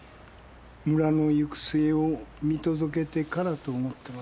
村の行く末を見届けてからと思ってました。